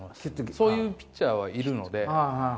そういうピッチャーはいるので。